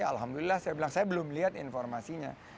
alhamdulillah saya bilang saya belum lihat informasinya